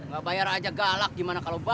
gak bayar aja galak gimana kalau bayar